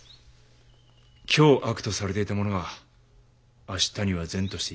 今日悪とされていたものが明日には善として許される。